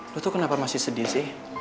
lu tuh kenapa masih sedih sih